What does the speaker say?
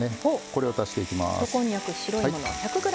これを足していきます。